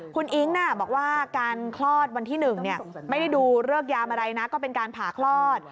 คุณอิ๊งบอกว่าการคลอดวันที่๑ไม่ได้ดูเริกยามอะไรนะก็เป็นการผ่าคลอด